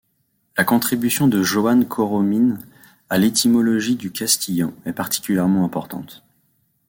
La contribution de Joan Coromines à l'étymologie du castillan est particulièrement importante.